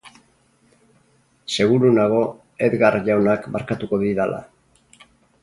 Seguru nago Edgar jaunak barkatuko didala.